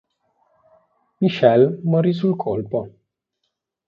Michel morì sul colpo.